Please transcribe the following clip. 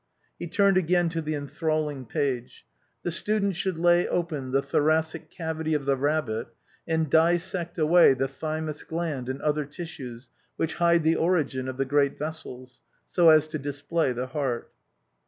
He turned again to the enthralling page. "The student should lay open the theoracic cavity of the rabbit and dissect away the thymous gland and other tissues which hide the origin of the great vessels; so as to display the heart..."